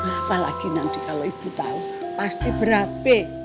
apalagi nanti kalau ibu tahu pasti ber ap